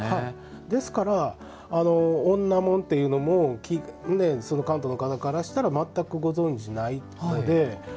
ですから、女紋というのも関東の方からしたら全くご存じないので。